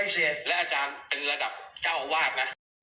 จับหลวง